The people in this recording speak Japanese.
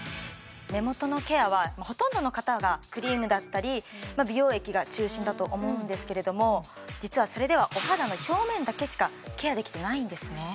目元のケアはほとんどの方がクリームだったり美容液が中心だと思うんですけれども実はそれではお肌の表面だけしかケアできてないんですね